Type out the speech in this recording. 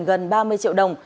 gần ba mươi triệu đồng